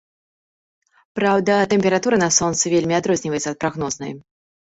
Праўда, тэмпература на сонцы вельмі адрозніваецца ад прагнознай.